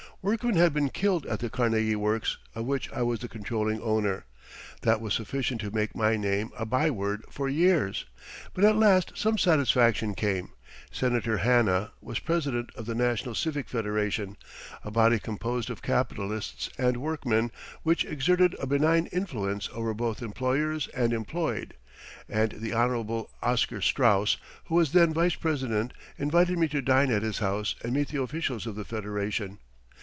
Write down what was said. Workmen had been killed at the Carnegie Works, of which I was the controlling owner. That was sufficient to make my name a by word for years. But at last some satisfaction came. Senator Hanna was president of the National Civic Federation, a body composed of capitalists and workmen which exerted a benign influence over both employers and employed, and the Honorable Oscar Straus, who was then vice president, invited me to dine at his house and meet the officials of the Federation.